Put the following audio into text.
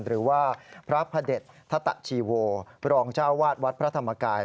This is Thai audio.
หรือว่าพระพระเด็จทัตตะชีโวรองเจ้าวาดวัดพระธรรมกาย